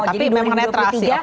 tapi memang reiterasi